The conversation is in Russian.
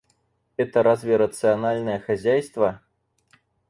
Это разве рациональное хозяйство?